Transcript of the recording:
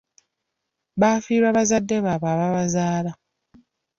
Baafiirwa bazadde baabwe abaabaazaala.